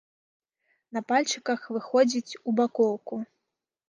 На пальчыках выходзіць у бакоўку.